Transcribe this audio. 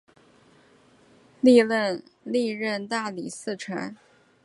历任大理寺丞。